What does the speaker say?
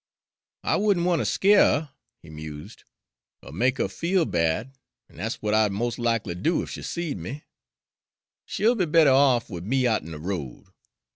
"I would n' want ter skeer her," he mused, "er make her feel bad, an' dat's w'at I'd mos' lackly do ef she seed me. She'll be better off wid me out'n de road.